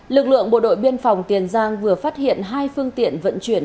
lực lượng bộ đội biên phòng tiền giang vừa phát hiện hai phương tiện vận chuyển